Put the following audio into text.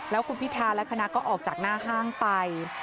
แล้วคุณพิธาและคณะก็ออกจากหน้าห้างไป